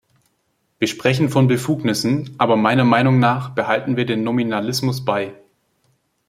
Wir sprechen von Befugnissen, aber meiner Meinung nach behalten wir den Nominalismus bei.